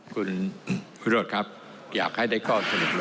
คุณโฆ่คครับอยากให้ได้ข่อทรงลง